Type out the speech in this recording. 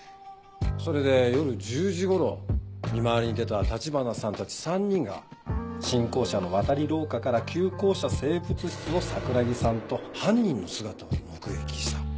それで夜１０時頃見回りに出た立花さんたち３人が新校舎の渡り廊下から旧校舎生物室の桜樹さんと犯人の姿を目撃した。